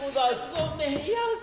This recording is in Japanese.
ごめんやす。